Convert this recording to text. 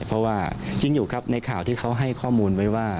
เพราะว่าจริงอยู่ครับในข่าวที่เขาให้ข้อมูลไว้ว่า